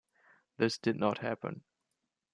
This did not happen.